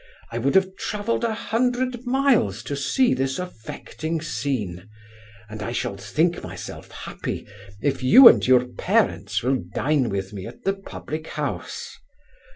I would have travelled a hundred miles to see this affecting scene; and I shall think myself happy if you and your parents will dine with me at the public house.